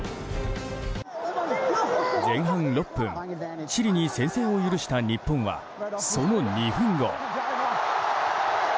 前半６分、チリに先制を許した日本はその２分後。